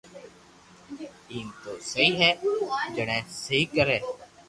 ايم تو سھي ھي جڻي سھي ڪري